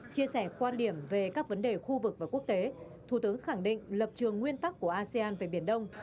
chia sẻ quan điểm về các vấn đề khu vực và quốc tế thủ tướng khẳng định lập trường nguyên tắc của asean về biển đông